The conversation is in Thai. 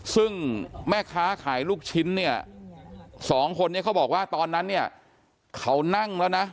ซึ่งแม่ค้าขายลูกชิ้นเนี่ยสองคนนี้เขาบอกว่าตอนนั้นเนี่ยเขานั่งแล้วนะ